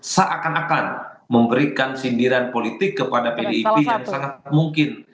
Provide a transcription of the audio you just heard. seakan akan memberikan sindiran politik kepada pdip yang sangat mungkin